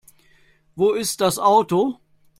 Wo ist das Auto?